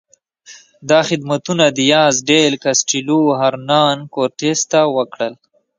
دا خدمتونه دیاز ډیل کاسټیلو هرنان کورټس ته وکړل.